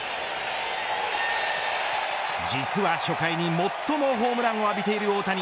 実は初回に、最もホームランを浴びている大谷。